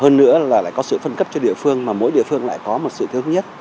hơn nữa là lại có sự phân cấp cho địa phương mà mỗi địa phương lại có một sự thiếu nhất